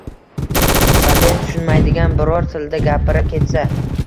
va men tushunmaydigan biror tilda gapira ketsa